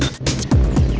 wah keren banget